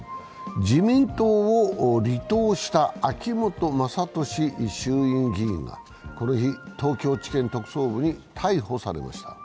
自民党を離党した秋本真利衆院議員がこの日、東京地検特捜部に逮捕されました。